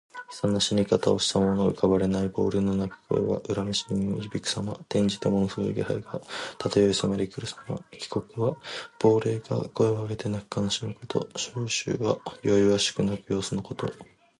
悲惨な死に方をした者の浮かばれない亡霊の泣き声が、恨めしげに響くさま。転じてものすごい気配が漂い迫りくるさま。「鬼哭」は亡霊が声を上げて泣き悲しむこと。「啾啾」は弱弱しく鳴く様子のこと。